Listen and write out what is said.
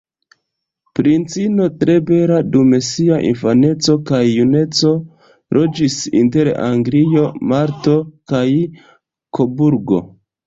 Princino tre bela, dum sia infaneco kaj juneco loĝis inter Anglio, Malto kaj Koburgo.